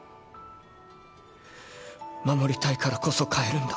守りたいからこそ変えるんだ。